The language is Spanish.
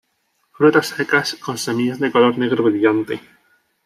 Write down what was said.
Frutas secas, con semillas de color negro brillante.